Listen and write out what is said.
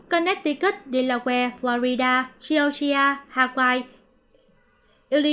cảm ơn các bạn đã theo dõi